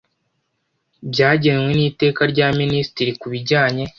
Byagenwe n iteka rya minisitiri ku bijyanye